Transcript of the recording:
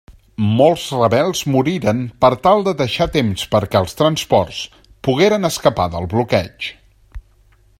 Molts rebels moriren per tal de deixar temps perquè els transports pogueren escapar del bloqueig.